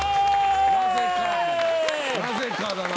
なぜかだな。